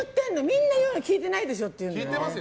みんな言うのよ聞いてないでしょって。